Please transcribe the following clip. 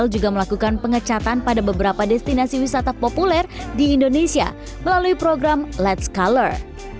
dan juga melakukan pengecatan pada beberapa destinasi wisata populer di indonesia melalui program let's color